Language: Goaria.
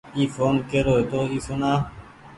اي ڦوٽو ڪرو هيتو اي سوڻآ۔